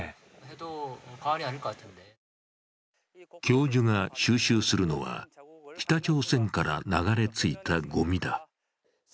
教授が収集するのは、北朝鮮から流れ着いたごみだ。